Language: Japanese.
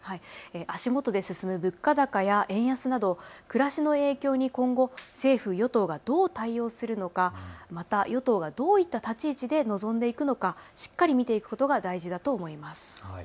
足元で進む物価高や円安など暮らしの影響に今後、政府与党がどう対応するのか、また与党がどういった立ち位置で臨んでいくのか、しっかり見ていくことが大事だと思います。